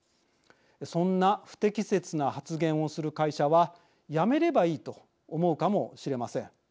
そんな不適切な発言をする会社は辞めればいいと思うかもしれません。